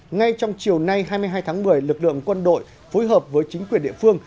ngay trong chiều nay hai mươi hai tháng một mươi lực lượng quân đội phối hợp với chính quyền địa phương